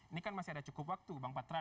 ini kan masih ada cukup waktu bang patra